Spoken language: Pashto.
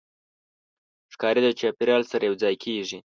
ښکاري د چاپېریال سره یوځای کېږي.